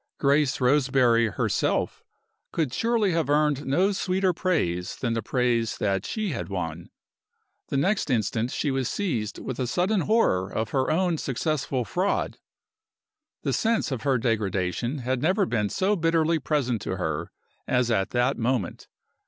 Grace Roseberry herself could surely have earned no sweeter praise than the praise that she had won. The next instant she was seized with a sudden horror of her own successful fraud. The sense of her degradation had never been so bitterly present to her as at that moment.